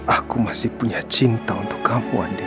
aku masih punya cinta untuk kamu onde